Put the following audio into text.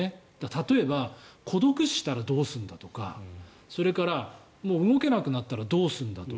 例えば孤独死したらどうするんだとかそれから動けなくなったらどうするんだと。